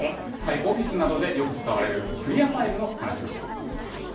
オフィスなどでよく使われるクリアファイルの話です。